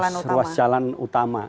ruas ruas jalan utama